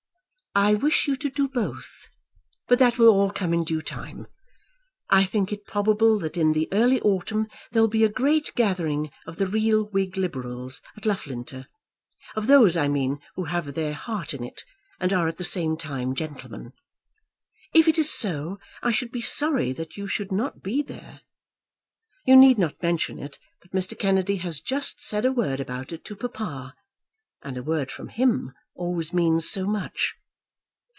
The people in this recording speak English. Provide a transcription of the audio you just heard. "I wish you to do both; but that will all come in due time. I think it probable that in the early autumn there will be a great gathering of the real Whig Liberals at Loughlinter; of those, I mean, who have their heart in it, and are at the same time gentlemen. If it is so, I should be sorry that you should not be there. You need not mention it, but Mr. Kennedy has just said a word about it to papa, and a word from him always means so much!